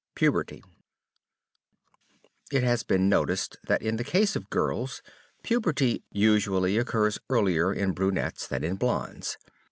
PUBERTY It has been noticed that in the case of girls, puberty usually occurs earlier in brunettes than in blondes.